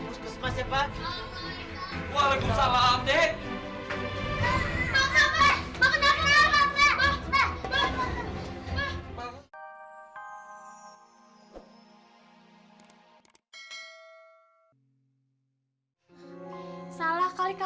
orang yang mbak benci ada dalam tubuh mbak